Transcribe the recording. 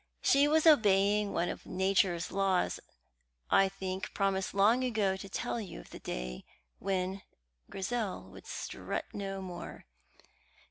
She was obeying one of Nature's laws. I think I promised long ago to tell you of the day when Grizel would strut no more.